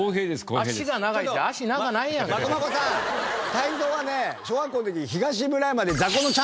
泰造はね小学校の時。